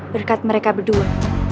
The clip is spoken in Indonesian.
berkat mereka berdua